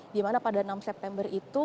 di mana pada enam september itu